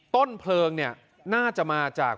ต้นเพลิงเนี่ยน่าจะมาจาก